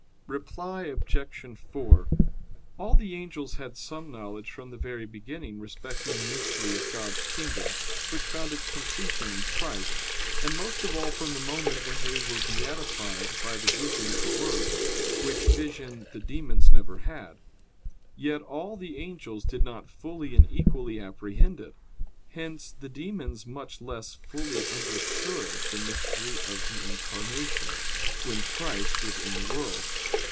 Reply Obj. 4: All the angels had some knowledge from the very beginning respecting the mystery of God's kingdom, which found its completion in Christ; and most of all from the moment when they were beatified by the vision of the Word, which vision the demons never had. Yet all the angels did not fully and equally apprehend it; hence the demons much less fully understood the mystery of the Incarnation, when Christ was in the world.